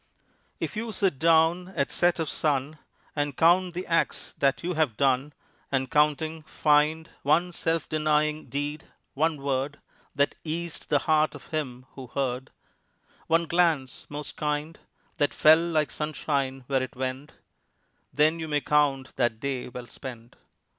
If you sit down at set of sun And count the acts that you have done, And, counting, find One self denying deed, one word That eased the heart of him who heard One glance most kind, That fell like sunshine where it went Then you may count that day well spent.